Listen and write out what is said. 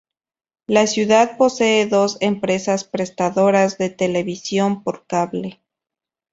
La ciudad posee dos empresas prestadoras de televisión por cable.